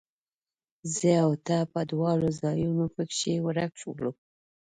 زه او ته به دواړه ځانونه پکښې ورک کړو